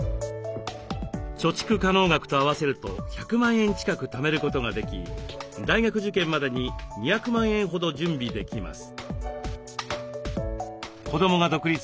貯蓄可能額と合わせると１００万円近くためることができ大学受験までに２００万円ほど準備できます。